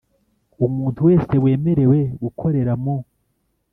Umuntu wese wemerewe gukorera mu